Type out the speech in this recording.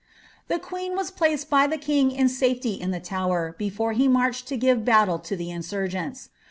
The queen was placed by the king in safety in the Tower,^ before he marched to give battle to the insurgents.